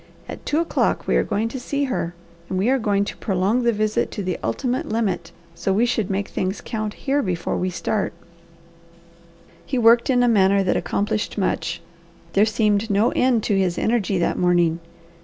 "At two o'clock we are going to see her, and we are going to prolong the visit to the ultimate limit, so we should make things count here before we start." He worked in a manner that accomplished much. There seemed no end to his energy that morning.